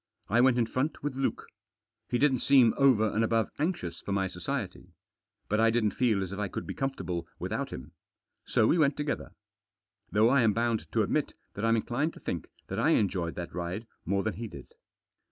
I went in front with Luke. He didn't seem over and above anxious for my society. But I didn't feel as if I could be comfortable without him. So we went together. Though I am bound to admit that I'm inclined to think that I enjoyed that ride more than he did.